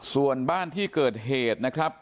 ส่วนบ้านที่เกิดเหตุนะครับ